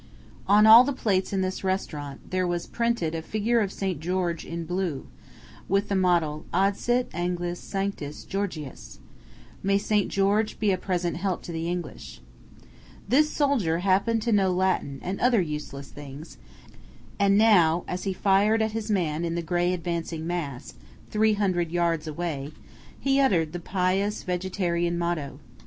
On all the plates in this restaurant there was printed a figure of St. George in blue, with the motto, "Adsit Anglis Sanctus Georgius" "May St. George be a present help to the English." This soldier happened to know Latin and other useless things, and now, as he fired at his man in the gray advancing mass three hundred yards away he uttered the pious vegetarian motto.